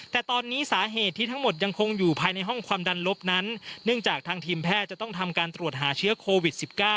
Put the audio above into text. แต่ตอนนี้สาเหตุที่ทั้งหมดยังคงอยู่ภายในห้องความดันลบนั้นเนื่องจากทางทีมแพทย์จะต้องทำการตรวจหาเชื้อโควิด๑๙